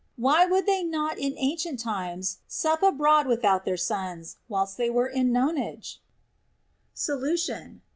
Why would they not in ancient times sup abroad without their sons, whilst they were in nonage ? Solution.